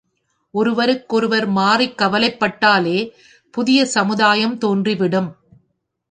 ஒருவருக்கொருவர் மாறிக் கவலைப் பட்டாலே புதிய சமுதாயம் தோன்றிவிடும்.